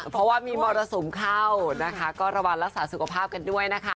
เพราะว่ามีมรสุมเข้านะคะก็ระวังรักษาสุขภาพกันด้วยนะคะ